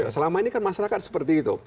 selama ini kan masyarakat seperti itu